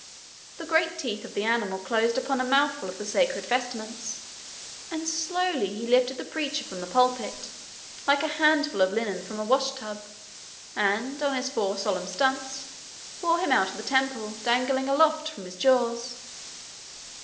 The great teeth of the animal closed upon a mouthful of the sacred vestments, and slowly he lifted the preacher from the pulpit, like a handful of linen from a washtub, and, on his four solemn stumps, bore him out of the temple, dangling aloft from his jaws.